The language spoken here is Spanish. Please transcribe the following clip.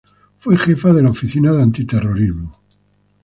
Fue jefa de la oficina de antiterrorismo.